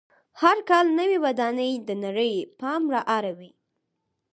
هر کال نوې ودانۍ د نړۍ پام را اړوي.